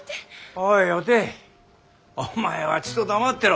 おいおていお前はちっと黙ってろ。